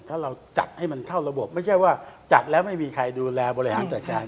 ถ้าเราจัดให้มันเข้าระบบไม่ใช่ว่าจัดแล้วไม่มีใครดูแลบริหารจัดการ